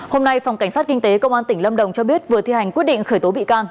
hôm nay phòng cảnh sát kinh tế công an tỉnh lâm đồng cho biết vừa thi hành quyết định khởi tố bị can